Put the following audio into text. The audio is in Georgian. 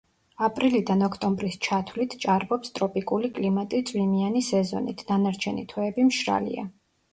აპრილიდან ოქტომბრის ჩათვლით ჭარბობს ტროპიკული კლიმატი წვიმიანი სეზონით, დანარჩენი თვეები მშრალია.